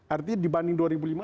artinya dibanding dua ribu lima